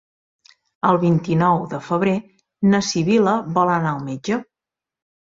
El vint-i-nou de febrer na Sibil·la vol anar al metge.